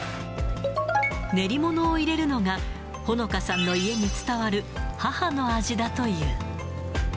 練り物を入れるのが、ほのかさんの家に伝わる母の味だという。